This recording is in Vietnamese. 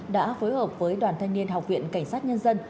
đã phối hợp với đoàn thanh niên học viện cảnh sát nhân dân